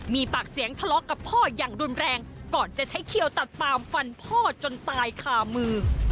มีปากเสียงทะเลาะกับพ่ออย่างรุนแรงก่อนจะใช้เขียวตัดปามฟันพ่อจนตายคามือ